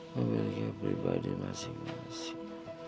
pemiliki pribadi masing masing